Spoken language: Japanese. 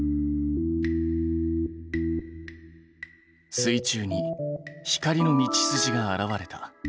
水中に光の道筋が現れた。